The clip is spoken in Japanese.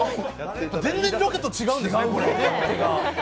全然ロケと違うんですね。